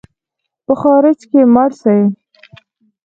په خارج کې مړ سې.